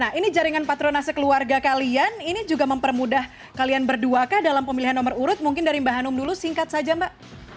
nah ini jaringan patronase keluarga kalian ini juga mempermudah kalian berduakah dalam pemilihan nomor urut mungkin dari mbak hanum dulu singkat saja mbak